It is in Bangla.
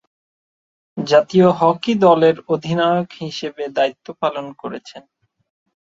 জাতীয় হকি দলের অধিনায়ক হিসেবে দায়িত্ব পালন করেছেন।